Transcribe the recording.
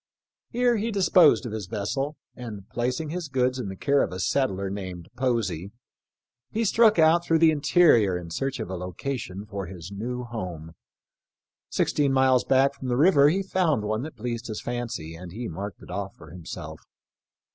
Here he disposed of his vessel, and placing his goods in the care of a settler named Posey, he struck out through the interior in search of a location for his new home. Sixteen miles back from the river he found one that pleased his fancy, and he marked it off for himself.